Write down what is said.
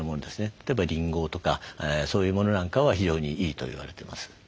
例えばりんごとかそういうものなんかは非常にいいと言われてます。